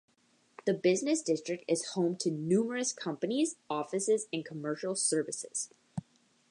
The business district is home to numerous companies, offices, and commercial services.